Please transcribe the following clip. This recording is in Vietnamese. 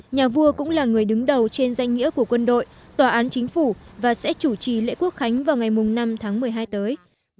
nhà vua cũng là người đứng đầu trên danh nghĩa của quân đội tòa án chính phủ và sẽ chủ trì lễ quốc khánh vào ngày năm tháng một mươi hai tới